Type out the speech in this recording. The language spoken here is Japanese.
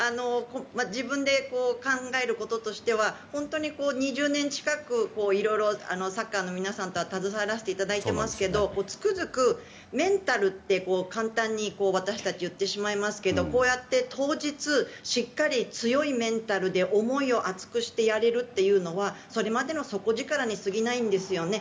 自分で考えることとしては本当に２０年近くいろいろサッカーの皆さんとは携わらせていただいていますがつくづくメンタルって簡単に私たち言ってしまいますけどこうやって当日しっかり強いメンタルで思いを熱くしてやれるというのはそれまでの底力に過ぎないんですよね。